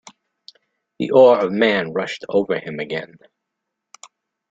The awe of man rushed over him again.